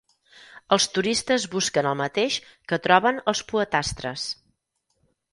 Els turistes busquen el mateix que troben els poetastres.